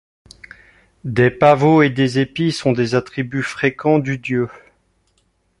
Des pavots et des épis sont des attributs fréquents du dieu.